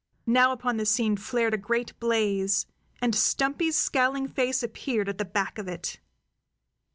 Now upon the scene flared a great blaze, and Stumpy's scowling face appeared at the back of it.